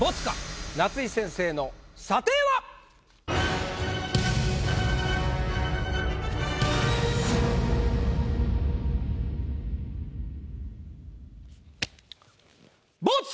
夏井先生の査定は⁉ボツ！